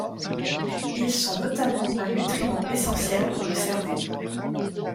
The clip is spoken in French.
Ils sont notamment un nutriment essentiel pour le cerveau.